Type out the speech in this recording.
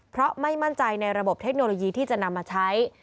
เพราะไม่มั่นใจในระบบเทคโนโลยีที่จะนำมาใช้